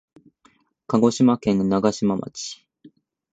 鹿児島県長島町